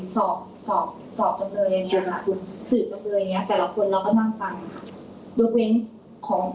สอบจำเลยอย่างนี้ค่ะ